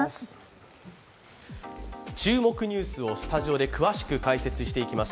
注目ニュースをスタジオで詳しく開設していきます